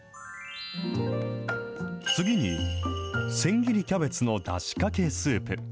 次に、せん切りキャベツのだしかけスープ。